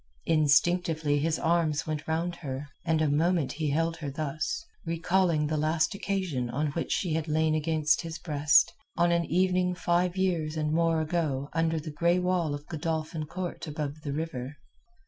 Instinctively his arms went round her, and a moment he held her thus, recalling the last occasion on which she had lain against his breast, on an evening five years and more ago under the grey wall of Godolphin Court above the river.